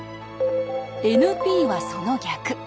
ＮＰはその逆。